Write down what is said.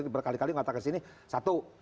berkali kali mengatakan disini satu